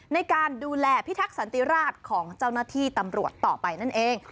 ในการดูแลพิทักษันติราชของเจ้าหน้าที่ตำรวจต่อไปนั่นเอง